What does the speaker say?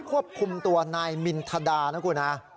ควบคุมตัวนายมินทดานะคุณฮะ